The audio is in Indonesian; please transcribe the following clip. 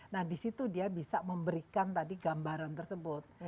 nah disitu dia bisa memberikan tadi gambaran tersebut